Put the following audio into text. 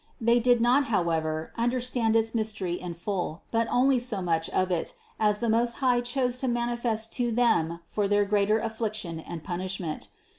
They did not, however, understand its mystery in full, but only so much of it, as the Most High chose to manifest to them for their greater affliction and punishment.